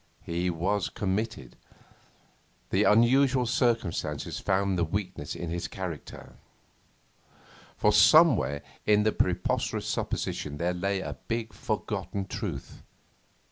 He was committed. The unusual circumstances found the weakness in his character. For somewhere in the preposterous superstition there lay a big forgotten truth.